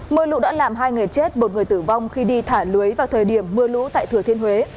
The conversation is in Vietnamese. mưa lũ đã làm hai người chết một người tử vong khi đi thả lưới vào thời điểm mưa lũ tại thừa thiên huế